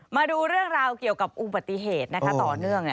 มาดูเรื่องราวเกี่ยวกับอุบัติเหตุต่อเนื่อง